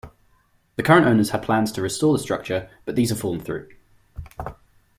The current owners had plans to restore the structure, but these have fallen through.